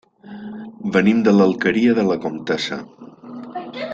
Venim de l'Alqueria de la Comtessa.